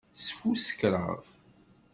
Sfuskreɣ.